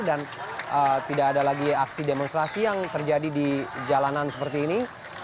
dan tidak ada lagi aksi demonstrasi yang terjadi di jalanan seperti ini